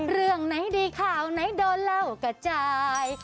เรื่องไหนดีข่าวไหนโดนเล่ากระจาย